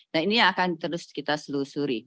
nah ini akan terus kita selusuri